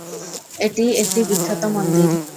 এটি একটি বিখ্যাত মন্দির।